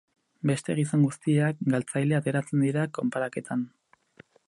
Beste gizon guztiak galtzaile ateratzen dira konparaketan.